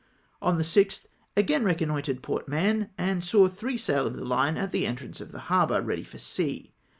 On the 6th, again reconnoitred Port Mahon, and saw three sail of the fine at the entrance of the harbour, ready for sea.